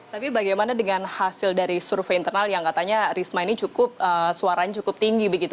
tapi bagaimana dengan hasil dari survei internal yang katanya risma ini cukup suaranya cukup tinggi begitu